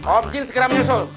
om jin segera menyusul